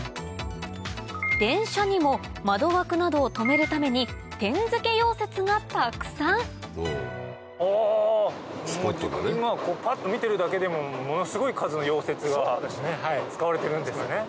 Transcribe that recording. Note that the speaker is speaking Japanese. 電車にも窓枠などを留めるために点付け溶接がたくさんあ今パッと見てるだけでもものすごい数の溶接が使われてるんですね。